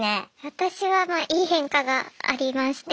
私はいい変化がありまして。